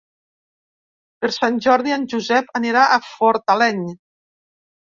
Per Sant Jordi en Josep anirà a Fortaleny.